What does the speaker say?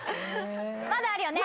まだあるよね？